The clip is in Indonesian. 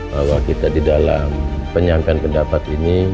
bahwa kita di dalam penyampaian pendapat